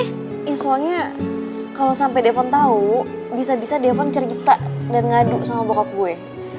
ya soalnya kalo sampe depon tau bisa bisa depon cerita dan ngadu sama bokap gue